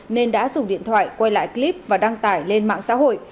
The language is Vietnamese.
nên đã dùng điện thoại quay lại clip và đăng tải lên mạng xã hội